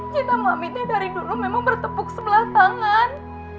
cinta mami teh dari dulu memang bertepuk sebelah tangan